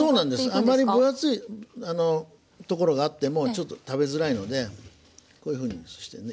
あまり分厚い所があってもちょっと食べづらいのでこういうふうにしてね